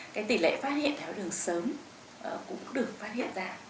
cái tỷ lệ phát hiện tháo đường sớm cũng được phát hiện ra